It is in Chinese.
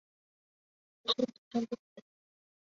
可升级成奔狗。